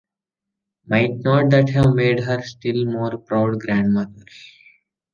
Might not that have made her still more proud, grandmother?